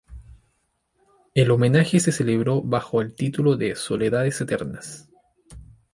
El homenaje se celebró bajo el título de "Soledades Eternas.